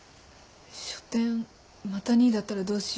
書展また２位だったらどうしよう。